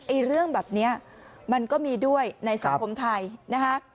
เรื่องแบบนี้มันก็มีด้วยในสังคมไทยนะคะ